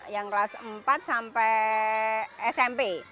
yang kelas empat sampai smp